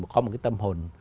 có một cái tâm hồn